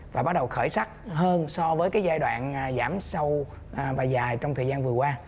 và bắt đầu khởi sắc hơn so với cái giai đoạn giảm sâu và dài trong thời gian vừa qua